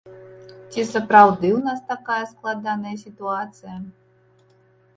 Ці сапраўды ў нас такая складаная сітуацыя?